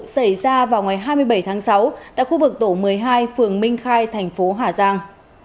xảy ra vào ngày hai mươi bảy tháng sáu tại khu vực tổ một mươi hai phường minh khai thành phố hà giang